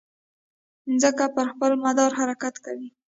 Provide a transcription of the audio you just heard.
مځکه پر خپل مدار حرکت کوي.